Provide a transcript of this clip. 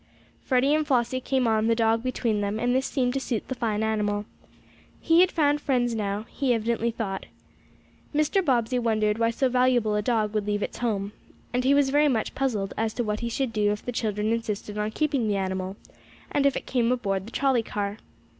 Freddie and Flossie came on, the dog between them, and this seemed to suit the fine animal. He had found friends, now, he evidently thought. Mr. Bobbsey wondered why so valuable a dog would leave its home. And he was very much puzzled as to what he should do if the children insisted on keeping the animal, and if it came aboard the trolley car.